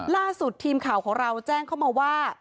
ล่าสุดทีมข่าวของเราแจ้งเข้ามาว่า